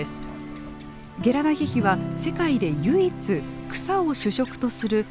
ゲラダヒヒは世界で唯一草を主食とする珍しいサルです。